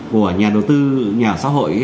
của nhà đầu tư nhà xã hội